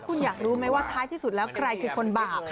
คุณอยากรู้ไหมว่าท้ายที่สุดแล้วใครคือคนบาป